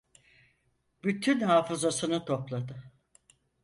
Bütün hafızasını topladı.